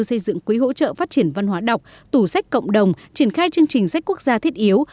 xây dựng quỹ hỗ trợ phát triển văn hóa đọc tủ sách cộng đồng triển khai chương trình sách quốc gia thiết yếu